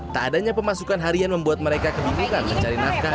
tak adanya pemasukan harian membuat mereka kebingungan mencari nafkah